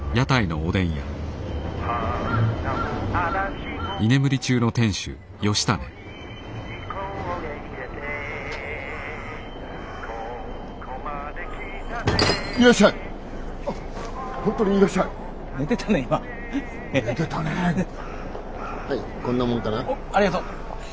おっありがとう。